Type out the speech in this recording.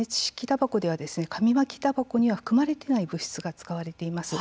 たばこでは紙巻きたばこには含まれていない物質が使われています。